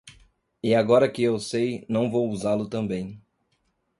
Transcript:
E agora que eu sei, não vou usá-lo também.